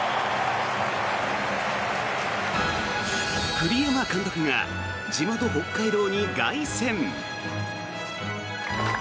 栗山監督が地元・北海道に凱旋。